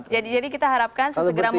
jadi kita harapkan sesegera mungkin